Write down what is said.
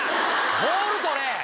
ボール撮れ！